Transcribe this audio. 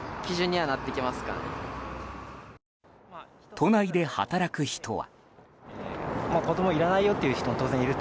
都内で働く人は。